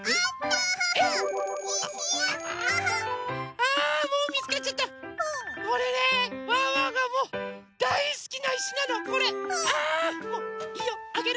あもういいよあげる。